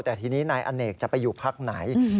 แต่ทีนี้นายอเนกจะไปอยู่พักไหน